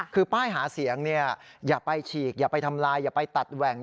คือป้ายหาเสียงเนี่ยอย่าไปฉีกอย่าไปทำลายอย่าไปตัดแหว่ง